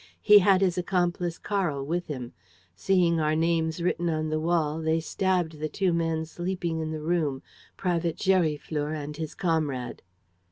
He had his accomplice Karl with him. Seeing our names written on the wall, they stabbed the two men sleeping in the room, Private Gériflour and his comrade."